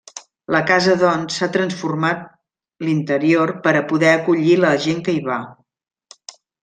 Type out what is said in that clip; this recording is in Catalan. La casa doncs s'ha transformat l'interior per a poder acollir la gent que hi va.